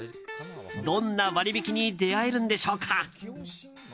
どんな割引に出会えるんでしょうか。